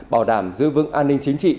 bảo đảm giữ vững an ninh chính trị